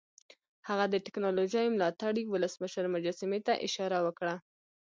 هغه د ټیکنالوژۍ ملاتړي ولسمشر مجسمې ته اشاره وکړه